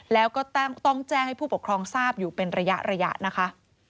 แล้วก็ต้องแจ้งให้ผู้ปกครองทราบอยู่เป็นระยะนะคะ